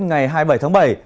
ngày hai mươi bảy tháng bảy